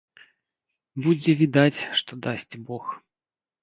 Будзе відаць, што дасць бог.